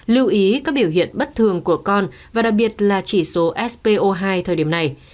lưu ý các biểu hiện bất thường của con và đặc biệt là chỉ số spo hai thời điểm này